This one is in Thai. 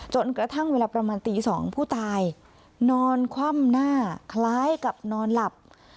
จนกระทั่งเวลาประมาณตี๒ผู้ตายนอนคว่ำหน้าคล้ายกับนอนหลับ